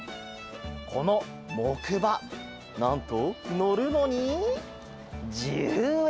このもくばなんとのるのに１０円！